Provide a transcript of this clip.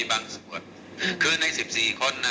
บางสะกดคือใน๑๔คน